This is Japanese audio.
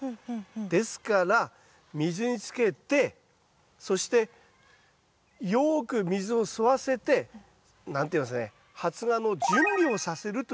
ですから水につけてそしてよく水を吸わせて何ていいますかね発芽の準備をさせるということが重要なんですよ。